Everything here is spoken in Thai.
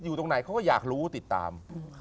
อยู่ตรงไหนเขาก็อยากรู้ติดตาม